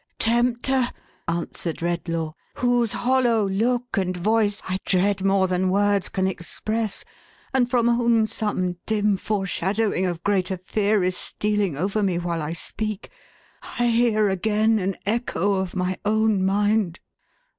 "Tempter," answered Redlaw, "whose hollow look and voice I dread more than words can express, and from whom THE GIFT OFFERED. 441 some dim foreshadowing of greater fear is stealing over me while I speak, I hear again an echo of my own mind."